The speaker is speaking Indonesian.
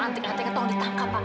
anting antingan tahu ditangkap pak